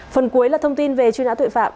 phần cuối là thông tin về truy nã tội phạm